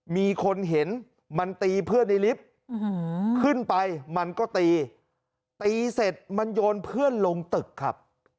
มีคนเห็นมันตีเพื่อนในลิฟต์ขึ้นไปมันก็ตีตีเสร็จมันโยนเพื่อนลงตึกครับ